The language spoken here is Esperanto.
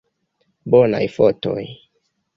Bonaj fotoj!